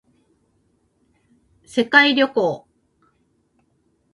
世界旅行